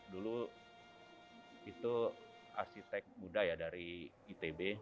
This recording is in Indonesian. dulu itu arsitek muda ya dari itb